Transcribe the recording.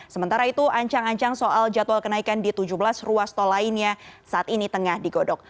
sementara itu ancang ancang soal jadwal kenaikan di tujuh belas ruas tol lainnya saat ini tengah digodok